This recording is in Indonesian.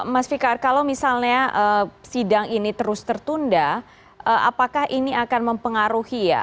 mas fikar kalau misalnya sidang ini terus tertunda apakah ini akan mempengaruhi ya